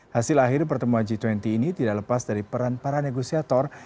hasil akhir pertemuan g dua puluh ini tidak lepas dari peran para negosiator